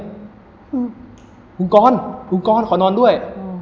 บุงกรนอนข้านอนด้วย